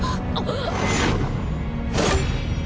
あっ！